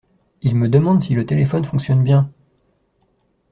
Il me demande si le téléphone fonctionne bien !…